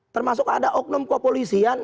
termasuk ada oknum kopolisian